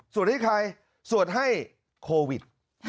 ให้ใครสวดให้โควิด